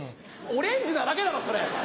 オレンジなだけだろそれ。